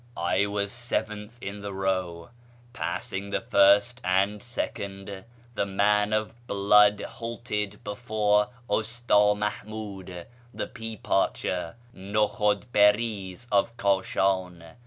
" I was seventh in the row. Passing the first and second, the man of blood halted before Usta Mahmi'id, the pea parcher {noTvhud 'biriz), of Kashan.